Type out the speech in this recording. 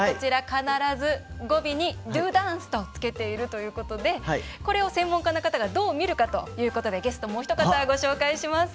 必ず語尾に「ＤＯＤＡＮＣＥ」とつけているということでこれを専門家の方がどう見るかということでゲスト、もうひと方ご紹介します。